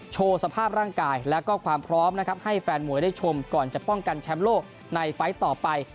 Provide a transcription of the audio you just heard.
สภาพร่างกายแล้วก็ความพร้อมนะครับให้แฟนมวยได้ชมก่อนจะป้องกันแชมป์โลกในไฟล์ต่อไป